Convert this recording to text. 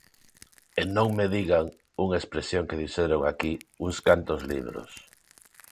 E non me digan –unha expresión que dixeron aquí– uns cantos libros.